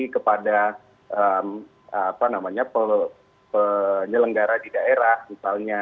ternyata instruksi kepada penyelenggara di daerah misalnya